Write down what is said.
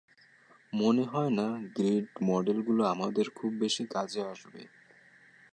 মনে হয় না গ্রিড মডেলগুলো আমাদের খুব বেশি কাজে আসবে।